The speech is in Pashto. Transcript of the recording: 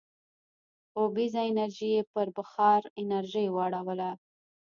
اوبیزه انرژي یې پر بخار انرژۍ واړوله.